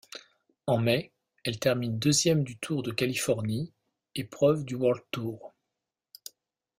En mai, elle termine deuxième du Tour de Californie, épreuve du World Tour.